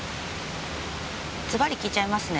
ズバリ訊いちゃいますね。